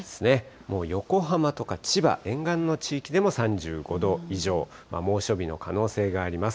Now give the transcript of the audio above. もう横浜とか千葉、沿岸の地域でも３５度以上、猛暑日の可能性があります。